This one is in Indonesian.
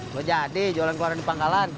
lo jadi jualan koran di pangkalan